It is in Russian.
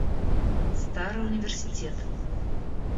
Старый университет.